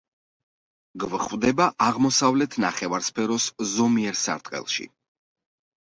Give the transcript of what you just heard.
გვხვდება აღმოსავლეთ ნახევარსფეროს ზომიერ სარტყელში.